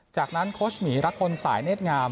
จากนั้นโค้ชหมีรักพลสายเนธงาม